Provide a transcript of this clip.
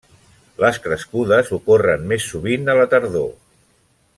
Les crescudes ocorren més sovint a la tardor.